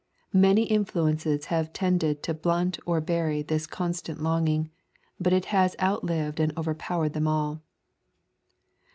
Many influences have tended to blunt or bury this constant longing, but it has out lived and overpowered them all."